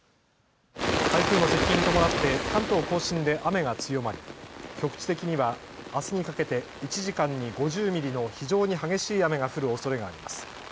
台風の接近に伴って関東甲信で雨が強まり、局地的にはあすにかけて１時間に５０ミリの非常に激しい雨が降るおそれがあります。